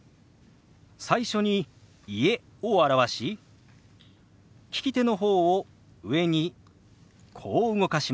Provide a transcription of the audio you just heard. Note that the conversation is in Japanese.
最初に「家」を表し利き手の方を上にこう動かします。